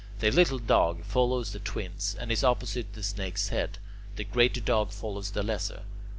The Little Dog follows the Twins, and is opposite the Snake's head. The Greater Dog follows the Lesser.